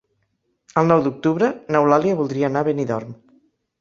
El nou d'octubre n'Eulàlia voldria anar a Benidorm.